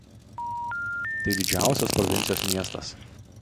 Tai didžiausias provincijos miestas.